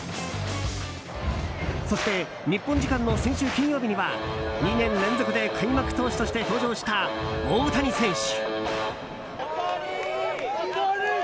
そして日本時間の先週金曜日には２年連続で開幕投手として登場した大谷選手。